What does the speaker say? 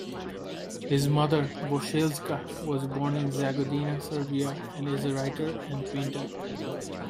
His mother, Bosiljka, was born in Jagodina, Serbia, and is a writer and painter.